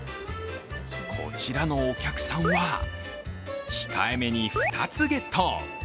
こちらのお客さんは、控えめに２つゲット。